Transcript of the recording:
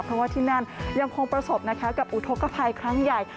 เพราะว่าที่นั่นยังคงประสบกับอุทธกภัยครั้งใหญ่